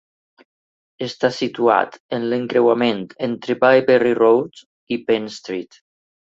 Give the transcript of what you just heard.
Està situat en l'encreuament entre Byberry Road i Penn Street.